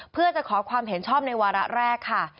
เพื่อจะขอความเห็นชอบในวาระแรกค่ะ